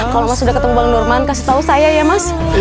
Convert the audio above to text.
kalau memang sudah ketemu bang norman kasih tahu saya ya mas